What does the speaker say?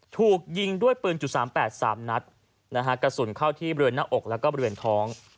ถูกยิงด้วยปืน๓๘๓นัดนะฮะกระสุนเข้าที่บริเวณหน้าอกแล้วก็บริเวณท้อง